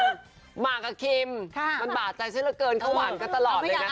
คุณมาคิมมันบาดใจเสียเกินความอ่านก็ตลอดเลยนะคะ